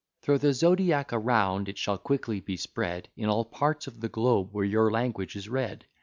Thro' the zodiac around, it shall quickly be spread In all parts of the globe where your language is read.